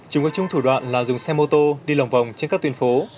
chúng có chung thủ đoạn là dùng xe mô tô đi lồng vòng trên các tuyến phố